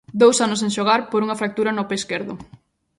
Dous anos sen xogar por unha fractura no pé esquerdo.